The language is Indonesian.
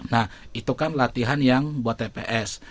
nah itu kan latihan yang buat tps